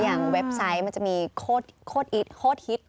อย่างเว็บไซต์มันจะมีโคตรฮิต